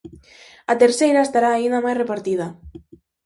A terceira estará aínda máis repartida.